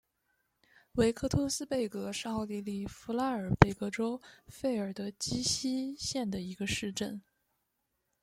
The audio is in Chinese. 维克托斯贝格是奥地利福拉尔贝格州费尔德基希县的一个市镇。